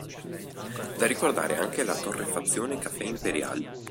Da ricordare anche la torrefazione Café Imperial.